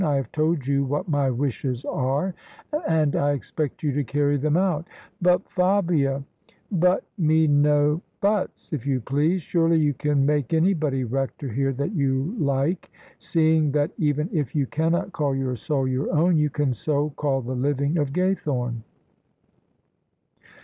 I have told you what my wishes are, and I expect you to carry them out." "But, Fabia ''" But me no huts, if you please. Surely you can make anybody rector here that you like, seeing that even if you cannot call your soul your own, you can so call the living of Gaythome."